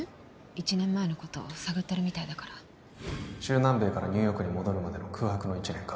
１年前のこと探ってるみたいだから中南米からニューヨークに戻るまでの空白の１年間